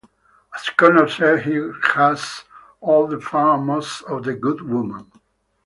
As Connor said, he has "all the fun and most of the good women".